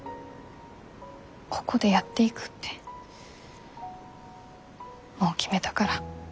ここでやっていくってもう決めたから。